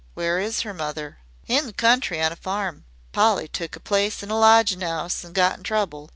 "Where is her mother?" "In the country on a farm. Polly took a place in a lodgin' 'ouse an' got in trouble.